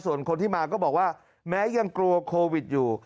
ส่วนคนที่มาก็บอกว่าแม้ยังกลัวโควิดอยู่